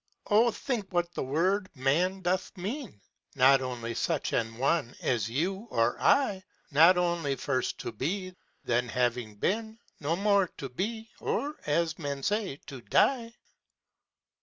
â Oh think what that word man doth mean ; Not only such an one as you or I j Not only first to be â then having been. No more to be, or, as men say, to die.